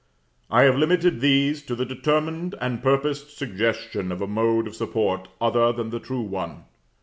I have limited these to the determined and purposed suggestion of a mode of support other than the true one.